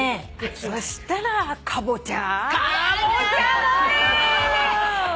そしたらカボチャ？